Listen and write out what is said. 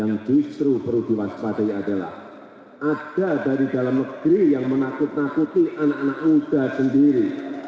yang justru perlu diwaspadai adalah ada dari dalam negeri yang menakut nakuti anak anak muda sendiri